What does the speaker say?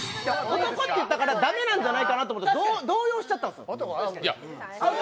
男って言ったから駄目なんじゃないかなって思って、動揺しちゃったんです。